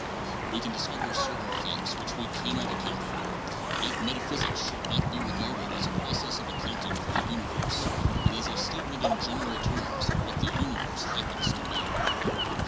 "We can dis cover certain facts which we can not account for; yet metaphysics should not be regarded as a process of accounting for the universe but as a statement in general terms of what the universe happens to be.